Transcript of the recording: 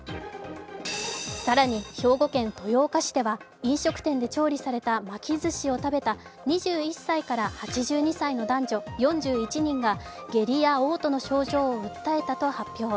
更に兵庫県豊岡市では飲食店で調理された巻きずしを食べた２１歳から８２歳の男女４１人が下痢やおう吐の症状を訴えたと発表。